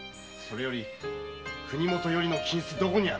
それより国元よりの金子